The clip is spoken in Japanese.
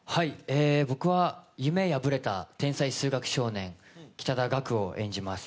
僕は夢破れた天才数学少年、北田岳を演じます。